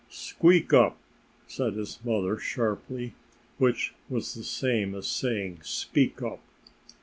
"Squeak up!" said his mother sharply which was the same as saying, "Speak up!"